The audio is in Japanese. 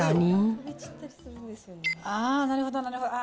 ああ、なるほどなるほど。